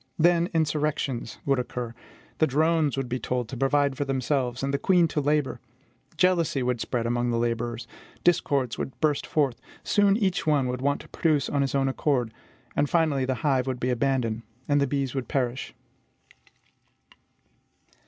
Then insurrections would occur. The drones would be told to provide for themselves, and the queens to labor; jealousy would spread among the laborers; discords would burst forth; soon each one would want to produce on his own account; and finally the hive would be abandoned, and the bees would perish.